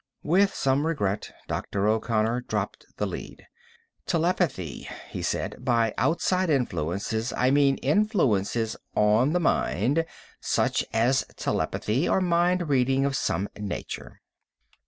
With some regret, Dr. O'Connor dropped the lead. "Telepathy," he said. "By outside influences, I meant influences on the mind, such as telepathy or mind reading of some nature."